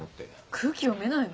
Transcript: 空気読めないの？